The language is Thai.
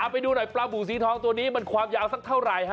ไปดูหน่อยปลาบูสีทองตัวนี้มันความยาวสักเท่าไหร่ฮะ